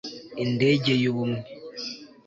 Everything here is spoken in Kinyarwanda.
indege y'ubumwe